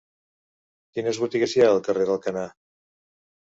Quines botigues hi ha al carrer d'Alcanar?